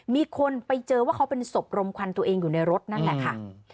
มีคนไปเจอว่าเขาเป็นศพรมควันตัวเองอยู่ในรถนั่นแหละค่ะ